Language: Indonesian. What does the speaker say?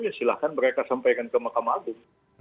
ya silahkan mereka sampaikan ke mahkamah agung